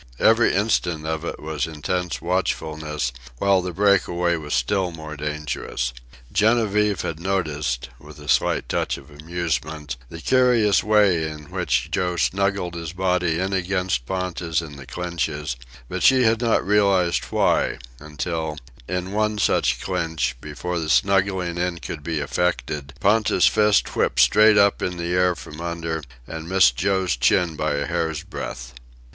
Every instant of it was intense watchfulness, while the breakaway was still more dangerous. Genevieve had noticed, with a slight touch of amusement, the curious way in which Joe snuggled his body in against Ponta's in the clinches; but she had not realized why, until, in one such clinch, before the snuggling in could be effected, Ponta's fist whipped straight up in the air from under, and missed Joe's chin by a hair's breadth.